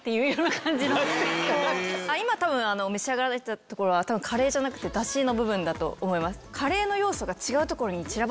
今多分召し上がられてたところはカレーじゃなくてダシの部分だと思います。